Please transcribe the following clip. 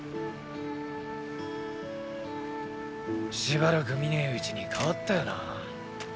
しばらく見ねえうちに変わったよな。